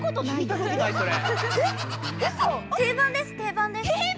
定番です定番です。